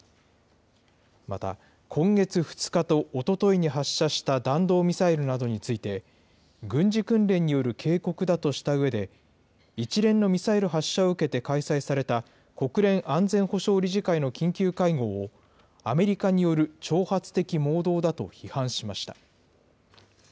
また、今月２日とおとといに発射した弾道ミサイルなどについて、軍事訓練による警告だとしたうえで、一連のミサイル発射を受けて開催された、国連安全保障理事会の緊急会合を、アメリカによる挑発的妄動だと批判しました。